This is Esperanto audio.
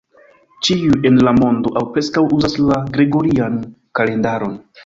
Ĉiuj en la mondo, aŭ preskaŭ, uzas la gregorian kalendaron.